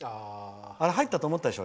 あれ、入ったと思ったでしょ？